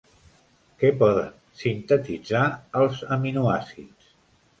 Què poden sintetitzar els aminoàcids?